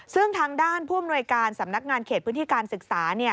ซึ่งทางด้านผู้อำนวยการสำนักงานเขตพื้นที่การศึกษา